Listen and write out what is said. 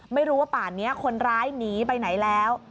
ไม่รู้ว่าป่านนี้คนร้ายหนีไปไหนแล้ว